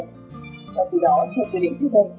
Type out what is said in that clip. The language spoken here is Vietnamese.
trong khi đó theo quy định trước đây